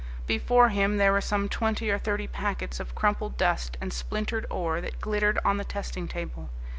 Before him there were some twenty or thirty packets of crumpled dust and splintered ore that glittered on the testing table.